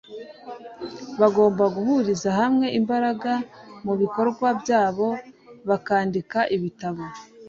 bagomba guhuriza hamwe imbaraga mu bikorwa byabo, bakandika ibitabo